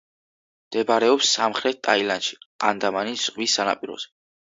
მდებარეობს სამხრეთ ტაილანდში, ანდამანის ზღვის სანაპიროზე.